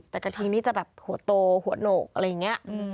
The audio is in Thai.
แต่กระทิงนี่จะแบบหัวโตหัวโหนกอะไรอย่างนี้